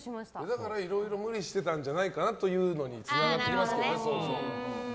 だからいろいろ無理してたんじゃないのかなっていうのにつながってきますけどね。